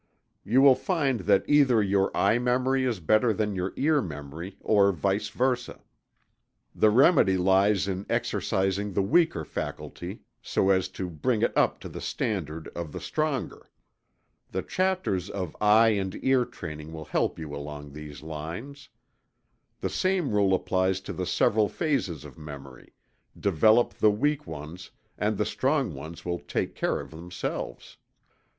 _ You will find that either your eye memory is better than your ear memory, or vice versa. The remedy lies in exercising the weaker faculty, so as to bring it up to the standard of the stronger. The chapters of eye and ear training will help you along these lines. The same rule applies to the several phases of memory develop the weak ones, and the strong ones will take care of themselves.